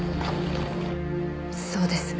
そうです。